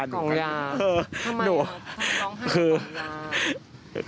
กล่องยาทำไมหนูต้องร้องให้กล่องยา